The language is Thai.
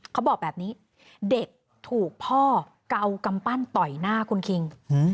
เขาบอกแบบนี้เด็กถูกพ่อเกากำปั้นต่อยหน้าคุณคิง